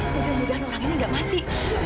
mudah mudahan orang ini gak mati